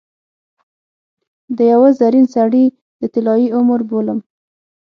د یوه زرین سړي د طلايي عمر بولم.